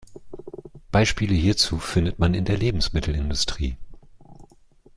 Beispiele hierzu findet man in der Lebensmittelindustrie.